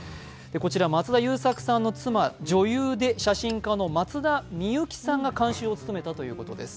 こちら松田優作さんの妻、女優で写真家の松田美由紀さんが監修を務めたということです。